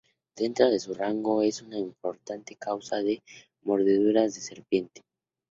Dentro de su rango, es una importante causa de mordeduras de serpiente.